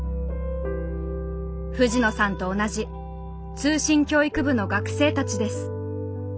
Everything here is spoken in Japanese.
藤野さんと同じ通信教育部の学生たちです。